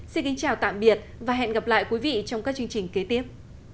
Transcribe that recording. xin kính chào tạm biệt và hẹn gặp lại quý vị trong các chương trình kế tiếp